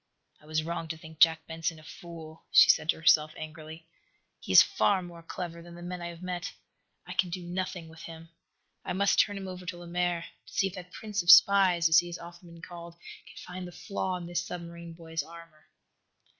"I was wrong to think Jack Benson a fool," she said to herself, angrily. "He is far more clever than the men I have met. I can do nothing with him. I must turn him over to Lemaire to see if that prince of spies, as he has often been called, can find the flaw in this submarine boy's armor."